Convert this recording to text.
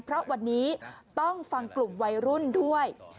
เพราะวันนี้ต้องฟังกลุ่มวัยรุ่นด้วย